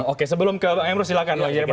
oke sebelum ke emro silakan